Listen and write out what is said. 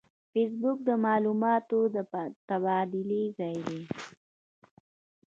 فېسبوک د معلوماتو د تبادلې ځای دی